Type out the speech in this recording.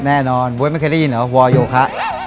แน่นอนบ๊วยไม่เคยได้ยินเหรอวอโยคะ